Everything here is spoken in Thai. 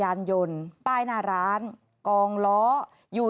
มีเกือบไปชนิดนึงนะครับ